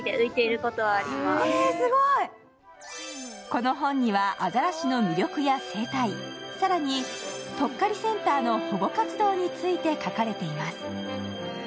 この本にはアザラシの魅力や生態、更にとっかりセンターの保護活動について書かれています。